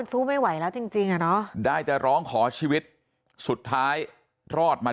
สู้ไม่ไหวแล้วจริงจริงอ่ะเนอะได้แต่ร้องขอชีวิตสุดท้ายรอดมา